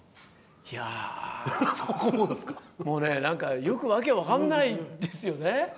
いやもうね何かよく訳分かんないんですよね。